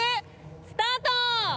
スタート！